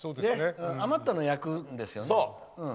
余ったのを焼くんですよね。